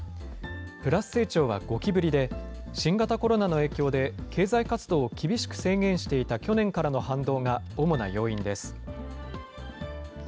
プラス成長は５期ぶりで、新型コロナの影響で、経済活動を厳しく制限していた去年からの反動が主な要因です。